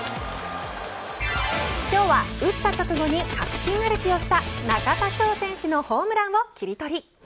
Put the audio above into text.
今日は打った直後に確信歩きをした中田翔選手のホームランをキリトリ。